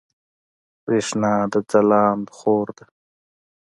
برېښنا د ځلاند خور ده